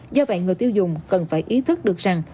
do vậy người tiêu dùng cần phải ý thức được rằng